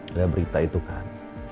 ada berita itu kan